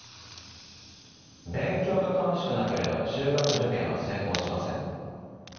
勉強が楽しくなければ中学受験は成功しません。